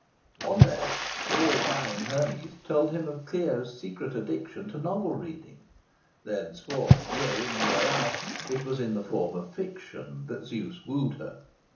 One day, all prying Hermes told him of Clio's secret addiction to novel reading. Thenceforth, year in, year out, it was in the form of fiction that Zeus wooed her.